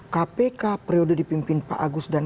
kpk periode dipimpin pak agus dan